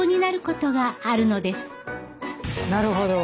なるほど。